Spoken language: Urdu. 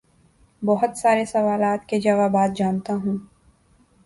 بہت سارے سوالات کے جوابات جانتا ہوں